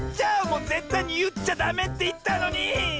もうぜったいにいっちゃダメっていったのに！